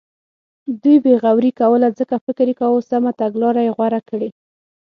دوی بې غوري کوله ځکه فکر یې کاوه سمه تګلاره یې غوره کړې.